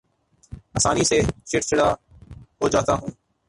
آسانی سے چڑ چڑا ہو جاتا ہوں